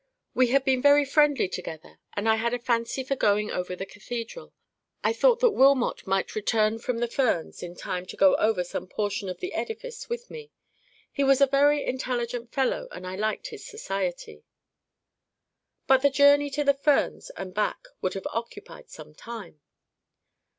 "We had been very friendly together, and I had a fancy for going over the cathedral. I thought that Wilmot might return from the Ferns in time to go over some portion of the edifice with me. He was a very intelligent fellow, and I liked his society." "But the journey to the Ferns and back would have occupied some time."